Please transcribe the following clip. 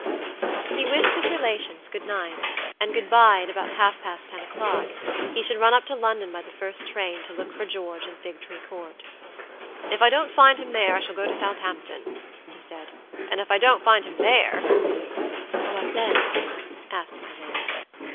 He wished his relations good night and good by at about half past ten o'clock; he should run up to London by the first train to look for George in Figtree Court. "If I don't find him there I shall go to Southampton," he said; "and if I don't find him there" "What then?" asked my lady.